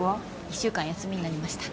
一週間休みになりました